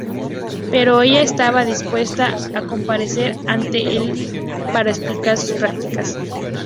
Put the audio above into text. Pero ella estaba dispuesta a comparecer ante el para explicar sus prácticas.